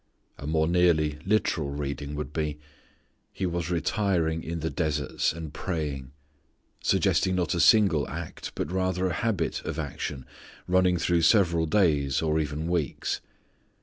A more nearly literal reading would be, "He was retiring in the deserts and praying"; suggesting not a single act, but rather a habit of action running through several days or even weeks.